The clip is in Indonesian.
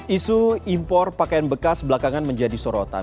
isu impor pakaian bekas belakangan menjadi sorotan